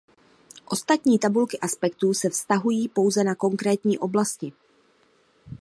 Ostatní tabulky aspektů se vztahují pouze na konkrétní oblasti.